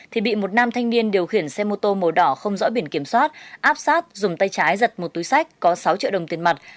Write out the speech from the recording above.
thì bị một nam thanh niên điều khiển xe mô tô màu đỏ không rõ biển kiểm soát áp sát dùng tay trái giật một túi sách có sáu triệu đồng tiền mặt